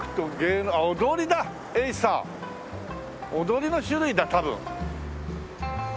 踊りの種類だ多分。